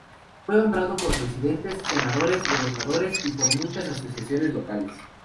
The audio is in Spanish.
Fue honrado por presidentes, senadores, gobernadores y por muchas asociaciones locales.